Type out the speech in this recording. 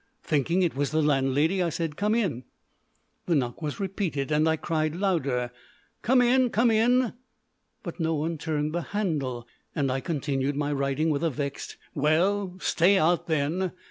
Thinking it was the landlady, I said, "Come in!" The knock was repeated, and I cried louder, "Come in, come in!" But no one turned the handle, and I continued my writing with a vexed "Well, stay out, then!"